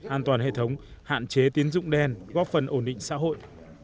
an toàn hệ thống hạn chế tiến dụng đen góp phần ổn định xã hội